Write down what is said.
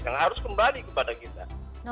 karena harus kembali kepada kita